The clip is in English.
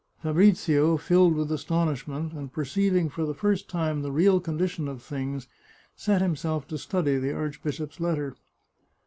Fabrizio, filled with astonishment, and perceiving for the first time the real condition of things, set himself to study the archbishop's letter.